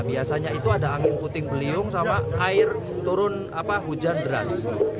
biasanya itu ada angin puting beliung sama air turun hujan deras